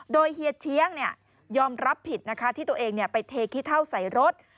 โดยเฮียเชียงยอมรับผิดนะคะที่ตัวเองไปเทขี้เท่าใส่รถ